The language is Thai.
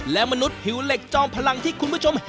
และมนุษย์ผิวเหล็กจอมพลังที่คุณผู้ชมเห็น